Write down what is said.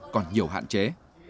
còn nhiều hạn chế